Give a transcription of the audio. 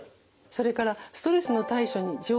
それからストレスの対処に上手になる。